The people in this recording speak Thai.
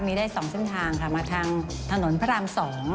มีได้๒เส้นทางค่ะมาทางถนนพระราม๒